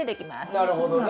なるほどね。